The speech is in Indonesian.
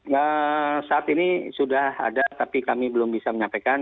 ya saat ini sudah ada tapi kami belum bisa menyampaikan